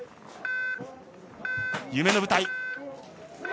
夢の舞台！